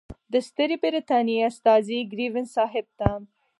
د ستري برټانیې استازي ګریفین صاحب ته.